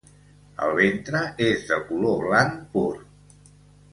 El ventre és de color blanc pur.